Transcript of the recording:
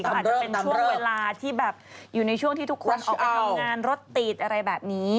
ก็อาจจะเป็นช่วงเวลาที่แบบอยู่ในช่วงที่ทุกคนออกไปทำงานรถติดอะไรแบบนี้